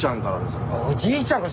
おじいちゃんから。